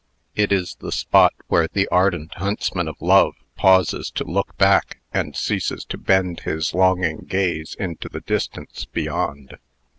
It is the spot where the ardent huntsman of Love pauses to look back, and ceases to bend his longing gaze into the distance beyond.